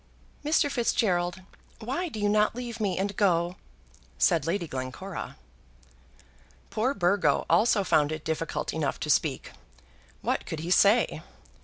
"Mr. Fitzgerald, why do you not leave me and go?" said Lady Glencora. Poor Burgo also found it difficult enough to speak. What could he say?